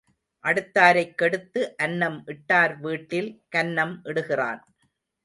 அடுத்தாரைக் கெடுத்து அன்னம் இட்டார் வீட்டில் கன்னம் இடுகிறான்.